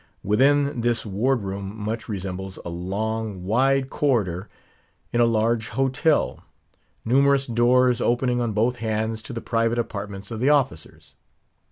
Within, this Ward room much resembles a long, wide corridor in a large hotel; numerous doors opening on both hands to the private apartments of the officers.